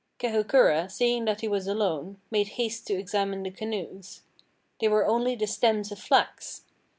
Kahukura, seeing that he was alone, made haste to examine the canoes. They were only the stems of flax!